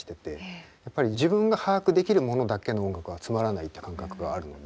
やっぱり自分が把握できるものだけの音楽はつまらないって感覚があるので。